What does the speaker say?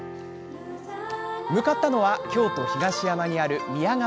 向かったのは京都・東山にある宮川町。